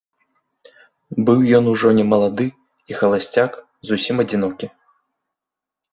Быў ён ужо не малады, і халасцяк, зусім адзінокі.